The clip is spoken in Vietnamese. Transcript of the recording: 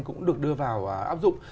cũng được đưa vào áp dụng